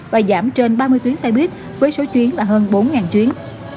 và giảm trên ba mươi tuyến xe buýt với số chuyến là hơn bốn chuyến